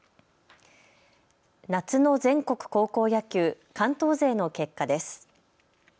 夏の全国高校野球、関東勢の結果です。